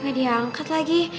gak diangkat lagi